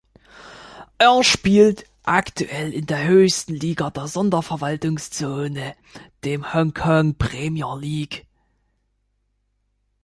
Er spielt aktuell in der höchsten Liga der Sonderverwaltungszone, dem Hong Kong Premier League.